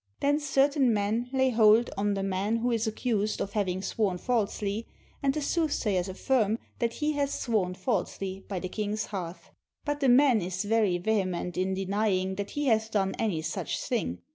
Then certain men lay hold on the man who is accused of having sworn falsely, and the soothsayers affirm that he has sworn falsely, by the king's hearth. But the man is very ve hement in denying that he hath done any such thing.